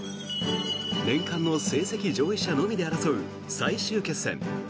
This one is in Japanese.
年間の成績上位者のみで争う最終決戦。